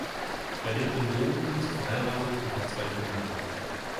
Er lebt in Bochum, ist verheiratet und hat zwei Kinder.